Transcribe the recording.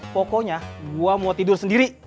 pokoknya gue mau tidur sendiri